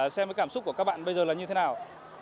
xem cái cảm xúc của các bạn bây giờ là như thế nào